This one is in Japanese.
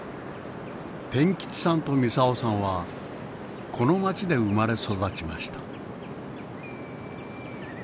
天吉さんと操さんはこの町で生まれ育ちました。